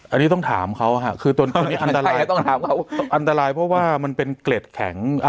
อันนี้ต้องถามเขาค่ะอันตรายเพราะว่ามันเป็นเกร็ดแข็ง